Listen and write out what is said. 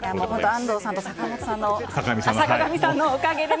安藤さんと坂本さんのおかげで。